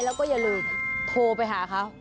แล้วก็อย่าลืมโทรไปหาเขา